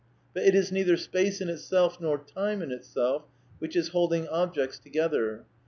But it is neither space in itself nor time in itself which is holding objects together.